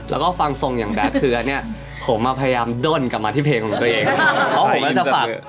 แล้วก็ฟังทรงอย่างแบบคือผมมาพยายามด้นกลับมาที่เพลงของตัวเอง